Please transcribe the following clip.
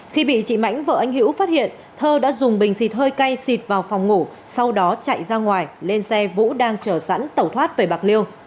khi bị chị mãnh vợ anh hữu phát hiện thơ đã dùng bình xịt hơi cay xịt vào phòng ngủ sau đó chạy ra ngoài lên xe vũ đang chở sẵn tẩu thoát về bạc liêu